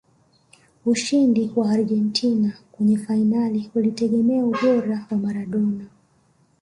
ushindi wa argentina kwenye fainali ulitegemea ubora wa maradona